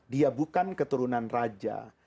dia bukan keturunan raja